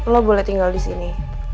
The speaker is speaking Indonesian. lo boleh tinggal disini